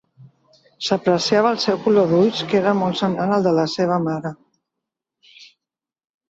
S'apreciava el seu color d'ulls, que era molt semblant al de la seva mare.